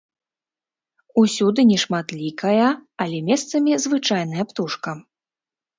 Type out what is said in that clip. Усюды нешматлікая, але месцамі звычайная птушка.